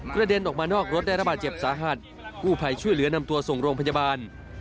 เด็นออกมานอกรถได้ระบาดเจ็บสาหัสกู้ภัยช่วยเหลือนำตัวส่งโรงพยาบาล